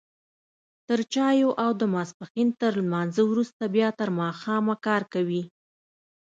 تر چايو او د ماسپښين تر لمانځه وروسته بيا تر ماښامه کار کوي.